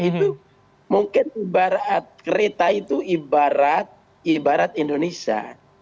itu mungkin ibarat kereta itu ibarat indonesia